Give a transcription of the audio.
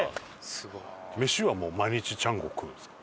飯は毎日ちゃんこ食うんですか？